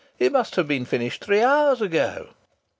"It must have been finished three hours ago."